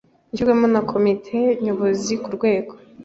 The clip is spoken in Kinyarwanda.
ushyirwaho na Komite Nyobozi ku rwego